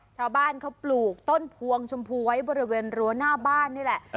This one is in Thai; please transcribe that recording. ชาวบ้านเขาปลูกต้นพวงชมพูไว้บริเวณรั้วหน้าบ้านนี่แหละ